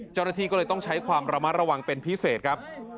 เจ้าหน้าที่ก็เลยต้องใช้ความระมัดระวังเป็นพิเศษครับ